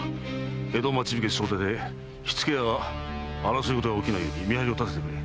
江戸町火消総出で火付けや争いごとが起きないよう見張りを立ててくれ。